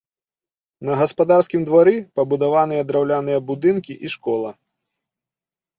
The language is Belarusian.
На гаспадарскім двары пабудаваныя драўляныя будынкі і школа.